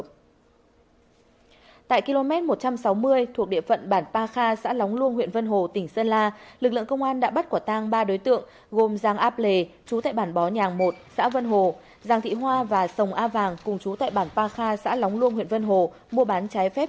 các bạn hãy đăng ký kênh để ủng hộ kênh của chúng mình nhé